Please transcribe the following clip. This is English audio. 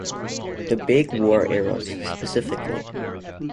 The big war eras, specifically.